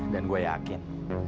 dan gua yakin